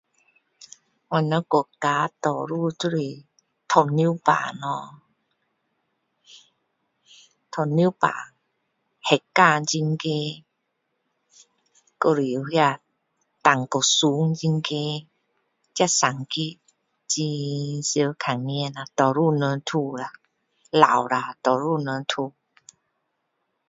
我们国家多数都是糖尿病咯，糖尿病，血压很高，还有那胆固醇很高，这三个很常看到啊，多数人都有啦，老了多数人都有